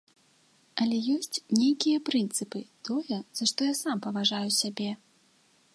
Але ёсць нейкія прынцыпы, тое, за што я сам паважаю сябе.